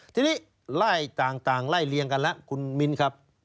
ทีนี้ไล่ต่างไล่เลี่ยงกันแล้วคุณมิ้นครับ